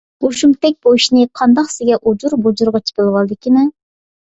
بۇ شۇمتەك بۇ ئىشنى قانداقسىغا ئۇجۇر - بۇجۇرىغىچە بىلىۋالدىكىنە؟